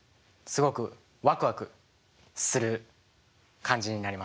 すごくワクワクする感じになります。